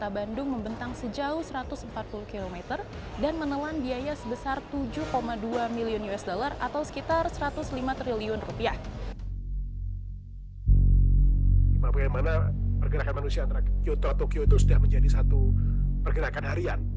bandung membentang sejauh satu ratus empat puluh km dan menelan biaya sebesar tujuh dua milion usd atau sekitar satu ratus lima triliun rupiah